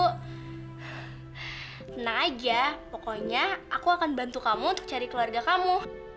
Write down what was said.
tenang aja pokoknya aku akan bantu kamu untuk cari keluarga kamu